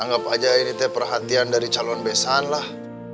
anggap aja ini teh perhatian dari calon besan lah